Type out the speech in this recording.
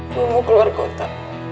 gue mau keluar kota